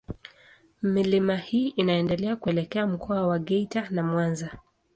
Milima hii inaendelea kuelekea Mkoa wa Geita na Mwanza.